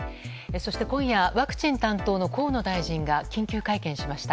そして今夜ワクチン担当の河野大臣が緊急会見しました。